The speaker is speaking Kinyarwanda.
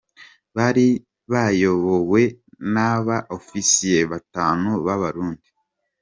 Bari bayobowe n’aba officiers batanu b’abarundi.